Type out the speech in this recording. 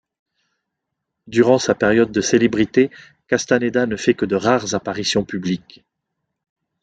Durant sa période de célébrité, Castaneda ne fait que de rares apparitions publiques.